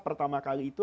pertama kali itu